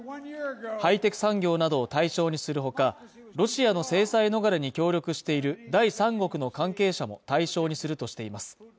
ハイテク産業などを対象にする他、ロシアの制裁逃れに協力している第三国の関係者も対象にするとしています。